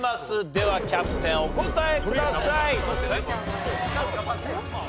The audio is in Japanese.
ではキャプテンお答えください。